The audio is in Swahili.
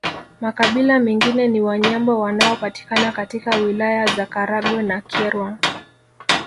Makabila mengine ni Wanyambo wanaopatikana katika Wilaya za Karagwe na Kyerwa